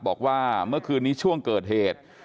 บอกว่าเมื่อคืนนี้ช่วงเกิดเหตุ